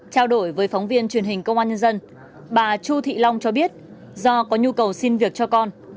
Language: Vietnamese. trao đổi với phóng viên truyền hình công an nhân dân bà chu thị long cho biết do có nhu cầu xin việc cho con